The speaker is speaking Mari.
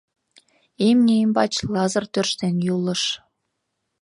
Имне ӱмбач Лазыр тӧрштен юлыш.